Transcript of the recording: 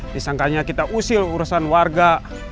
disangkanya kita usil urusan warga